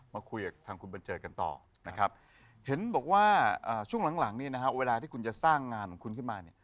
มาคุยกับทางคุณบัญเจิดกันต่อนะครับเห็นบอกว่าช่วงหลังเนี่ยนะฮะเวลาที่คุณจะสร้างงานของคุณขึ้นมาเนี่ย